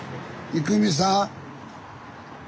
郁美さん？